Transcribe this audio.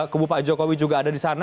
kubu pak jokowi juga ada di sana